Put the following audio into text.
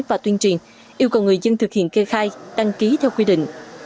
và tuyên truyền yêu cầu người dân thực hiện kê khai đăng ký theo quy định